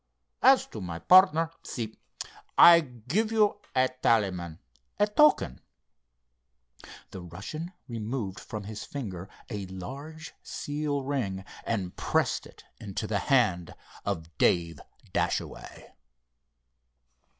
As to my partner—see, I give you a talisman, a token." The Russian removed from his finger a large seal ring, and pressed it into the hand of Dave Dashaway.